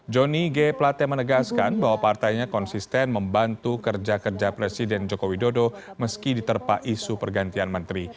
jonny g plate menegaskan bahwa partainya konsisten membantu kerja kerja presiden joko widodo meski diterpa isu pergantian menteri